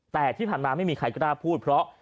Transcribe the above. แต่ที่ผ่านมาไม่มีใครกล้าพูดเพราะ